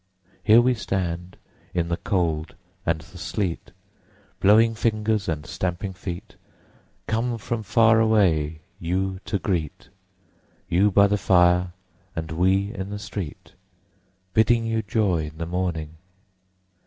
Here we stand in the cold and the sleet, Blowing fingers and stamping feet, Come from far away you to greet— You by the fire and we in the street— Bidding you joy in the morning!